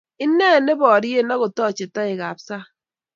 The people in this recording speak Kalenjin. ineen neboryen ak kotochei toekab sang